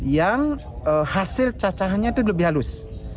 yang hasil cacahannya itu lebih halus